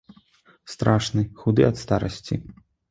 Страшны, худы ад старасці.